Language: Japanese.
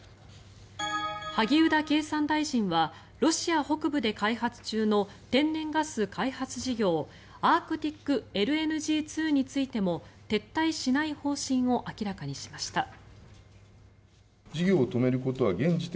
萩生田経産大臣はロシア北部で開発中の天然ガス開発事業アークティックＬＮＧ２についても撤退しない方針を明らかにしました。